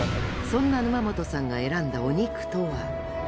そんな沼本さんが選んだお肉とは？